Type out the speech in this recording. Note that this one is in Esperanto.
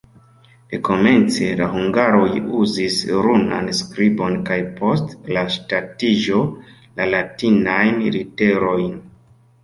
Dekomence la hungaroj uzis runan skribon kaj post la ŝtatiĝo la latinajn literojn.